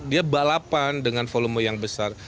dia balapan dengan volume yang besar